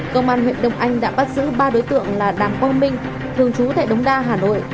công an huyện đông anh đã bắt giữ ba đối tượng là đàm quang minh thường trú tại đống đa hà nội